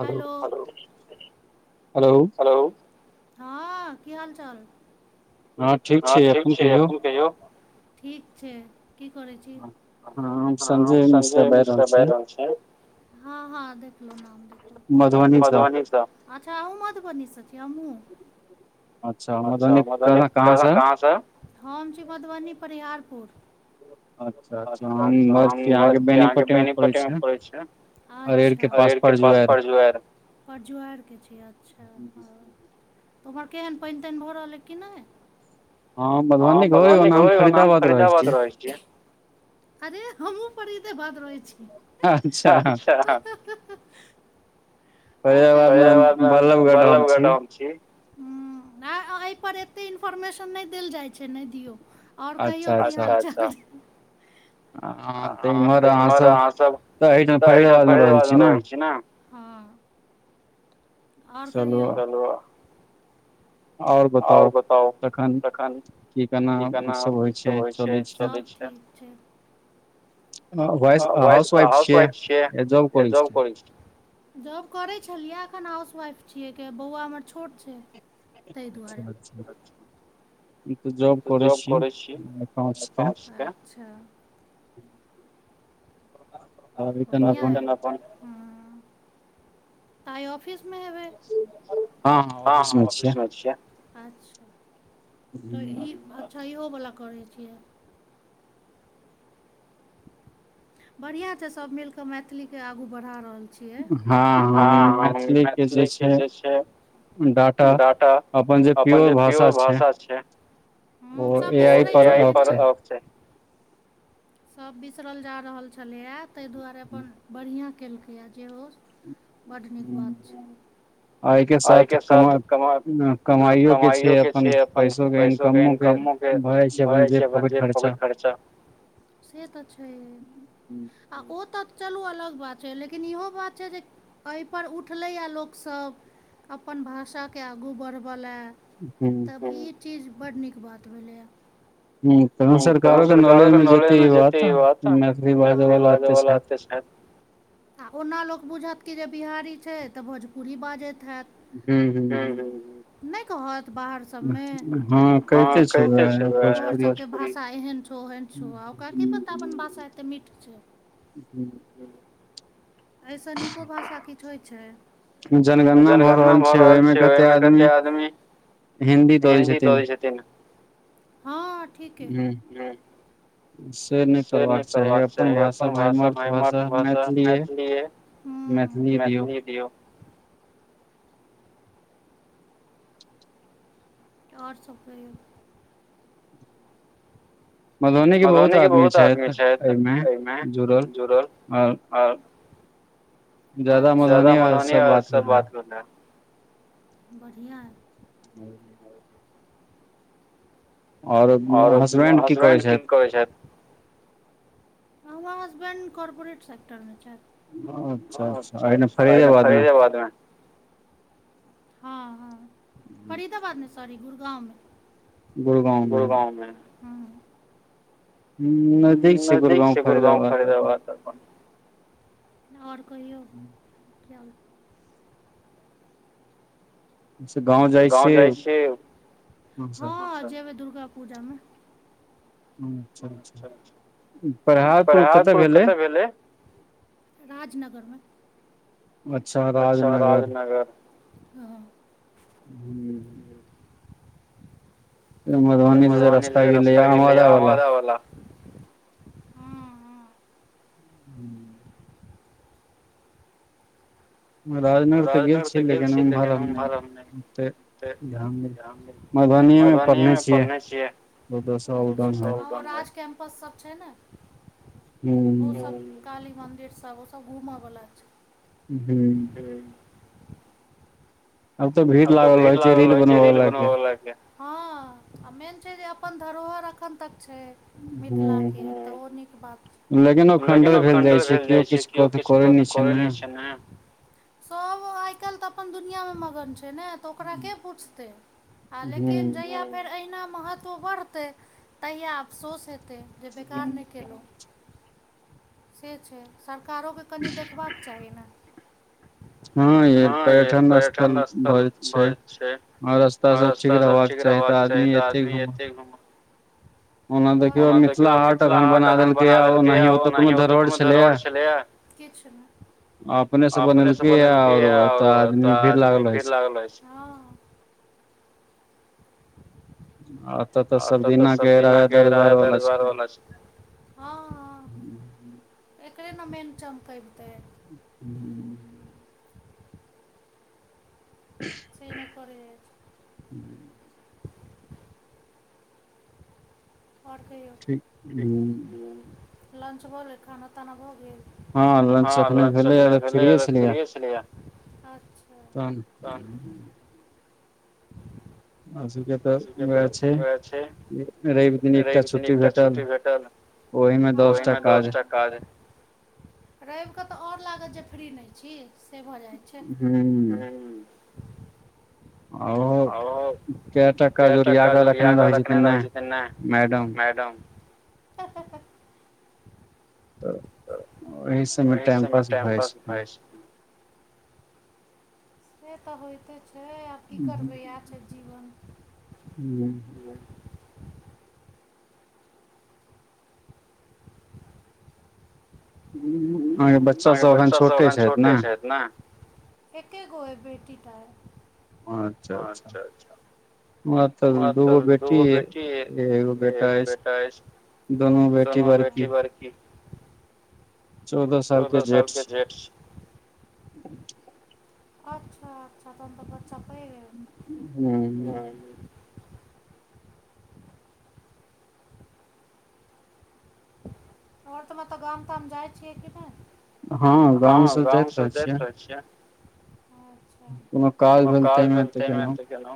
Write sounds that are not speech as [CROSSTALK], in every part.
hello [INAUDIBLE] hello hello [INAUDIBLE] हँ की हाल चाल हँ ठीक छै अपन कहिऔ ठीक छी की करै छी हऽ हम संजय मिश्रा बैज रहल छियै हँ हँ देखलौं नाम मधुबनी स अच्छा अहुँ मधुबनी स छी हमहुँ अच्छा मधुबनी कह कहाँ स हम छी मधुबनी परिहारपुर अच्छा अच्छा हम बस अहाँ कऽ बेनीपट्टी में पड़ै छियै अच्छा अरेर केँ पास परजुआइर परजुआइर क छियै अच्छा [INAUDIBLE] तोमहर केहन पाइन ताइन भऽ रहल कि नै हँ मधुबनी घ ओना हम फरीदाबाद रहै छियै अरे हमहुँ फरीदाबाद रहै छियै अच्छ [UNINTELLIGIBLE] [INAUDIBLE] और कहियौ फरीदाबाद म बल्लभगढ़ हम छी [UNINTELLIGIBLE] अइ पर एतेक इन्फोर्मेशन नै देल जै छै नै दियौ और कहियो की हाल चाल छै हँ तऽ इमहर अहाँ सब तऽ एहिठाम फरीदाबाद में रहै छी न और कहियो [UNINTELLIGIBLE] और बताउ [INAUDIBLE] तखन की केना सब होइ छै चलै सब ठीक छै वाइस अ हाउस वाइफ छियै या जॉब कर छिय जॉब करै छलियै एखन हाउसवाइफ छियै कि बौआ हमर छोट छै तैय दुआरे [INAUDIBLE] हम तऽ जॉवअकाउंट्स केँ अच्छा [INAUDIBLE] [UNINTELLIGIBLE] [UNINTELLIGIBLE] फिस म हबै [INAUDIBLE] हँ हँ ऑफिस में छियै अच्छा [INAUDIBLE] तऽ ई अच्छा इहो वला करै छियै बड़ियाँ छै सब मिल केँ मैथिली केँ आगू बढ़ा रहल छियै हँ हमहुँ मैथिलीके जे छै डाटा अपन जे पीयोर भाषा छै हु सब [UNINTELLIGIBLE] सब बिसरल जा रहल छलै ए तैय दुआरे अपन बड़ियाँ केलकैए जे हो बड नीक बात छै एहिके साथ कमा कमाइयो केँ छै अपन पैसो केँ इनकमो केँ भऽ जाइ छै अपन जे पॉकेट खर्चा [INAUDIBLE] से तऽ छै [INAUDIBLE] ओ तऽ चलू अलग बात छै लेकिन इहो बात छै जे ऐ पर उठलैए लोक सब अपन भाषा केँ आगू बढ़ब लै [INAUDIBLE] तभी चीज बड नीक बात भेलैए हु तहन सरकारोे नॉलेज में जेतै ई बात मैथिली बाजै वला एते छैथ [INAUDIBLE] आ ओना लोक बुझत की जे बिहारी छै तऽ भोजपुरी बाजेत हैत [INAUDIBLE] नै कहत बाहर सब में हँ कहते [UNINTELLIGIBLE] सब के एहन छउ भाषा अपन बासा एते मिठ छै उहूँ एइसँ नीको भाषा किछु होइ छाय जनगणना भऽ रहल छै ओइमे कते आदमी हिन्दी द दै छथिन हँ ठीके हूँ से नै करबाक चाही अपन भाषा भइ मर्त भाषा मैथिलीए अई मैथिली ये दियौ आओर सब कहियौ मधुबनि के बहुत आदमी छथि एइमे जुड़ल आर [INAUDIBLE] अच्छा जादा मधबनी वला सं बात भेला बढ़ियाँ अइ हूँ आओर हसबैंड की करै छथि करै छथ हमर हसबैंड कर्पोरेट सेक्टर मे छैथ अच्छा अच्छा अहिना फरीदाबादमे हँ हँ फरीदाबाद मे सॉरी गुड़गांव मे गुड़गाँंवमे हू नजदीक छै गुर गाँव फरीदाबाद अपन आओर कहियौ हूँ [UNINTELLIGIBLE] इनसं गाँव गाँव जाइ छिअइ हँ जेबै दुर्गा पूजा मे अच्छा परिहारपुर कत भेलै राजनगरमे अच्छा राजनगर ओ हूँ मधुबनी सं जे रास्ता गेलैया अमादा वाला वला हूँ राजनगर तऽ गेल छिअइ लेकिन उम्हर हम नै मधबनीएमे पढ़ने छियै राज कैम्पस सब छै ने हूँ काली मन्दिर सब ओ सब घूम बला छै हूँ हूँ आब त भीड़ लागल रहय छै रील बनब वलाके हँ आ मेन छै जे अपन धरोहर अखन तक छै मिथिला के त ओ नीक बात छै लेकिन ओ खंडहर भेल जाइ छै केओ किछ करै नै छै नाय सब ओ आइ काल्हि त अपन दुनियामे मगन छै ने त ओकरा के पुछतै लेकिन जहिया फेर अहिना महत त्व बढ़तै तहिया अपसोस हेतै जे बेकार नै केलौं से छै सरकारोकेँ कनि देखबाक चाही ने हँ यै पर्यटन अस्त तल भय छै आ रस्ता सब ठीक रहबाक चाही तऽ आदमी एतै घूम ओना देखियौ मिथिला हाट एखन बना देलकैया ओना ओतऽ कोनो धरोहर छलैया किछ नै अपने से बनेलकैया आओर आदमी भीर लागल रहै छै आ अत त सब दिना के राजा दरजार वला छै हँ हँ एकरे न मेन चमकैबितै हुँ से नै करै है हुं आओर कहियौ ठीक [UNINTELLIGIBLE] लंच भ गेल खाना ताना भ गेल हँ लंच एखने भेलैया त फ्रिए छलैया अच्छा, तहन हमरा सबके त उएह छै रवि दिन एकटा छुट्टी भेटल ओहिमे दस टा काज काजयै रविक त आओर लागत जे फ्री नै छी से भ जाइ छै आव कएटा काज योरिया क रखने रहै छथिन ने मैडम तऽ ओहि सबमे टाइम पास भऽ जाइ छै से त होइते छै आब की करबै इएह छै जीवन हुं हुं ऊं अहाँके बच्चा सब अभी छोटे छथि नाय एके गो अई बेटी टा अई अच्छा अच्छा हमरा त दुगो बेटी अई एगो बेटा ऐछ दुनो बैठी बड़की चौदह सालके जेठ छै अच्छा अच्छा तहन तऽ बच्चा पैघ यै आओर त मतब गाम ताम जाय छियै कि नै हँ गांव सब जायत रहै छियै अच्छा कोनो काज भेल तै मे त केनौ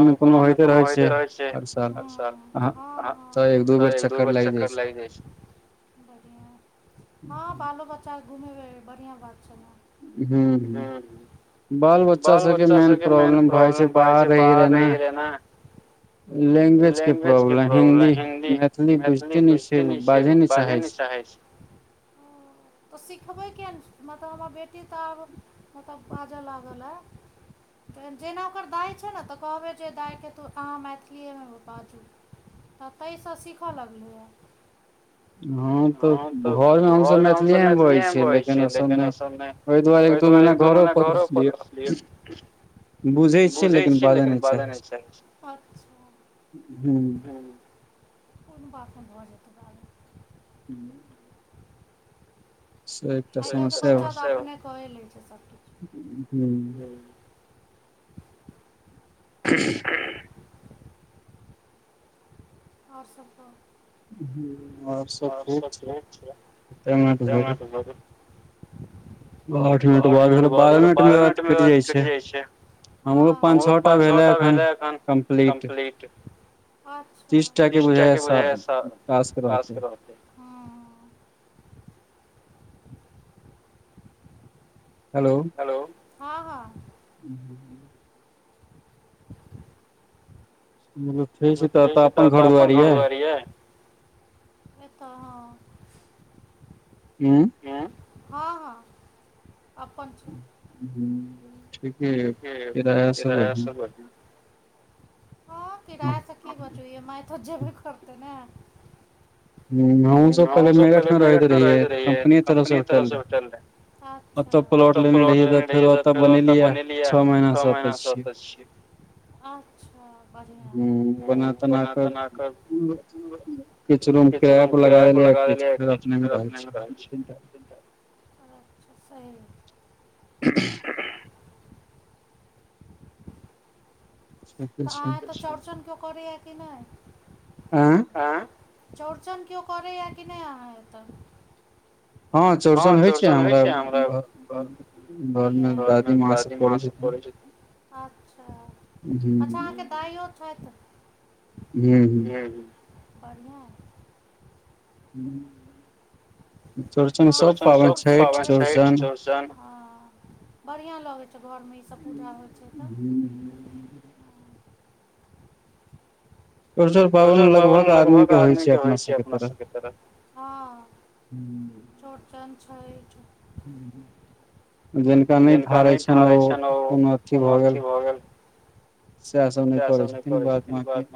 हँ कोनो ने कोनो होइते रहै छै हँ अकसर हँ हँ त एक दु बेर चक्कर लैग जाइ छै हँ बालो बच्चा के घुमेबै बढ़िआँ बात छै ने हूँ हूँ बाल बच्चा सबके मेन प्रॉब्लम भऽ जाइ छै बाहर रहि गेलै ने लैंग्वेज के प्रॉब्लम हिन्दी मैथिली बुझते नै छै बाजहे नै बाजहे नै चाहै छै तऽ सिखबै किया नै मतलब हमर बेटी तऽ आब मतलब बाजऽ लागलए त जेना ओकर दाइ छै ने तऽ कहबै जे दाइके तू अहाँ मैथिलीएमे बाजू तऽ तै सँ सीखय लगलै या हँ तऽ घरमे हमसब मैथिली मैथिली मे बजै छियै लेकिन ओ सब नै ओहि दुआरे एक दू महीना घरो पर रखलिय बुझै छियै लेकिन बाजै नै चाहै छीयै हूँ कोनो बात नै भ जएत हूँ [UNINTELLIGIBLE] [UNINTELLIGIBLE] [UNINTELLIGIBLE] [UNINTELLIGIBLE] और सब कह [INAUDIBLE] और सब ठिक छै [INAUDIBLE] तैय मे तऽ बहुत आठ मिनट बात भेल बारह मिनट केँ बाद कैट जाइ छै हमरो पांच छऽ टा भेलै है एखन कम्प्लीट तीस टा केँ बुझै य स टास्क रहतै हेलो हेलो [UNINTELLIGIBLE] ओत अपन घर दुआर य [UNINTELLIGIBLE] [UNINTELLIGIBLE] अपन छै [INAUDIBLE] ठिके यऽ किराया स बड़ियाँ हँ किराय स की बचु मैय तो जेबै करते न [UNINTELLIGIBLE] मेरठ में रहत रहैये कपनी तरफ से भेटल रहै अच्छ ओत प्लॉट लेने रहियै तऽ भेरो ए तऽ लिए छ महिना स ऐत छियै [INAUDIBLE] अच्छ तऽ बढ़ियाँ यऽ बना तना [UNINTELLIGIBLE] किराय पर लगा देलिअइया किछ अपने रहय छियै [UNINTELLIGIBLE] [UNINTELLIGIBLE] अहाँ ओत चौरचन केओ करैया कि नै [UNINTELLIGIBLE] चौड़चन केओ करैए कि नै अहाँ एतऽ हँ चौड़चन होइ छै हमरा [INAUDIBLE] होइ यऽ घर में दादी माँ सब करै छै अच्छा अच्छा अहाँकेँ दाइयो छैथ [UNINTELLIGIBLE] [INAUDIBLE] चौरचन सब पाबैन छैठ चौरचन हँ बड़ियाँ लगै छै घर में ई सब पूजा होइ छै तऽ चौरचन पाबैन लगभग आदमी केँ होइ छै अपना सब केँ तरफ [UNINTELLIGIBLE] चौरचन छैठ [INAUDIBLE] जिनका नै धारै छैन ओ कोनो अथी भऽ गेल सैह सब नै करै छथिन बाद बांकी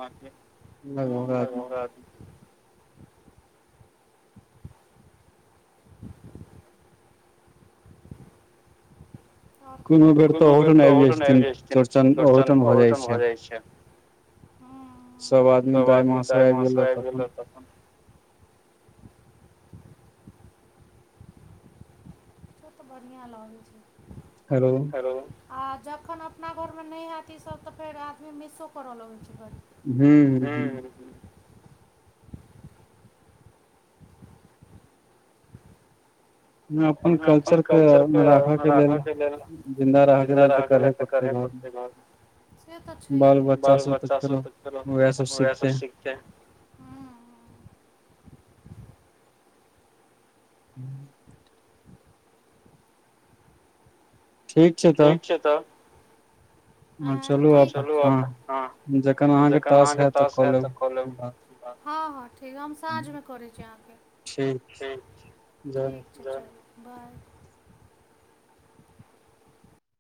लगभग आदमी [UNINTELLIGIBLE] और कहियो कूनो बेर तऽ अहुठाम आइब जाइ छथिन चौरचन अहुठाम भऽ जाइ छै हु हु सब आदमी दाइ माँ सभ आइब गेलै तऽ अपन बढ़िआँ लागै छै हलो हेलो आ जखन अपना घर में नै हैत ई सभ तऽ फेर आदमी मिसो कर लगैत छै [UNINTELLIGIBLE] अपन कल्चर केँ राख कऽ लेल जिन्दा रहके लेल करहे परतै घर में से तऽ छैहे बाल बच्चा सब त फेरो वैहे स सीखतै किए हुँ ठीक छै तऽ ठीक छै तऽ आय ठीक हँ चलू आब हँ जखन अहाँकेँ टास्क हैत तऽ कऽ लेब हँ हँ ठीक हम साँझमे करै छी अहाँकेँ ठीक छै जाउ जाउ बाय